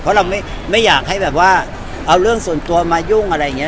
เพราะเราไม่อยากให้แบบว่าเอาเรื่องส่วนตัวมายุ่งอะไรอย่างนี้